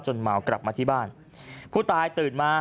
เมากลับมาที่บ้านผู้ตายตื่นมา